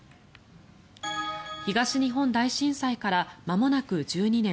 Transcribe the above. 東日本大震災からまもなく１２年。